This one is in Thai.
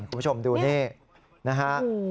คุณผู้ชมดูนี่นะฮะ